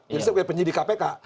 jadi sebagai penyidik kpk